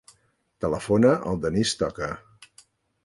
Telefona al Denís Toca.